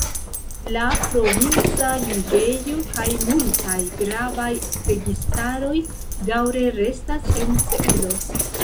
La provinca juĝejo kaj multaj gravaj registaroj daŭre restas en Seulo.